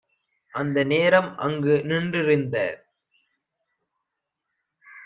அந்த நேரம் அங்குநின் றிருந்த